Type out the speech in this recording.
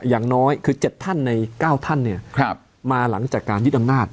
อย่างน้อยคือ๗ท่านใน๙ท่านมาหลังจากการยึดอำนาจ